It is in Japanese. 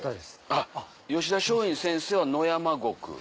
あっ吉田松陰先生は野山獄。